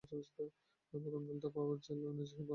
প্রথম দলটা power gel, energy bar আর ফয়েল কম্বল নিয়ে এসেছিল।